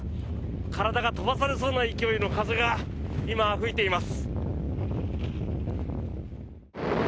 体が飛ばされそうな勢いの風が今、吹いています。